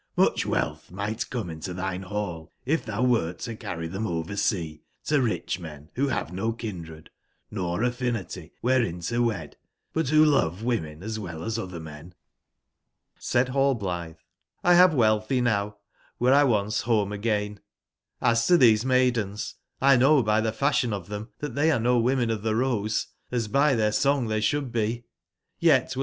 jVIucbwealtbmigbt comeintotbineballiftbouwerttocarrytbemoversea to ricbmen wbobaveno kindred, noraffinity, wberein to wed, but wbo love women as well as otber men/' Saidnallblitbe:'*Xbavewealtbenowwereloncebome again. Hs to tbesemaidens,! know by tbe fasbionof tbem tbat tbey are no women of tbe Rose, as by tbeir songtbeysbould be. Yet will!